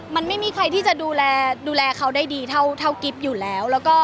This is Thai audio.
มันไม่มีใครที่จะดูแลดูแลเขาได้ดีเท่ากิ๊บอยู่แล้ว